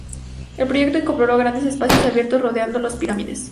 El proyecto incorporó grandes espacios abiertos rodeando las pirámides.